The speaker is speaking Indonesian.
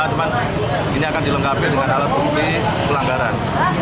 cuman ini akan dilengkapi dengan alat bukti pelanggaran